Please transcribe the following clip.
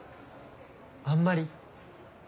あんまり。